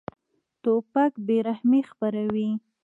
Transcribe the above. توپک بېرحمي خپروي.